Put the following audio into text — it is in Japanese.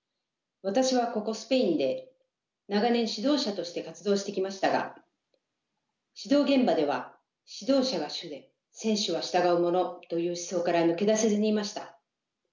私はここスペインで長年指導者として活動してきましたが指導現場では「指導者が主で選手は従うもの」という思想から抜け出せずにいました。